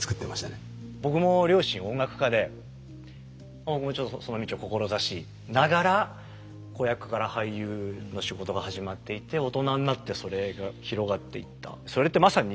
僕も両親音楽家でちょっとその道を志しながら子役から俳優の仕事が始まっていって大人になってそれが広がっていった。